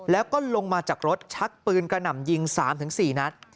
แล้วก็ลงมาจากรถชักปืนกระหน่ำยิง๓๔นัด